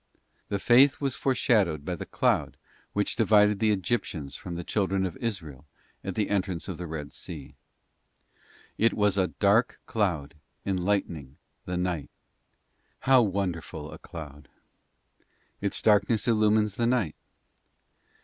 hay" The faith was foreshadowed by the cloud which divided ae the Egyptians from the children of Israel at the entrance of the Red Sea. ' It was a dark cloud enlightening the night.' * How wonderful a cloud! — its darkness illumines the night.